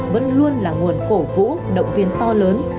vẫn luôn là nguồn cổ vũ động viên to lớn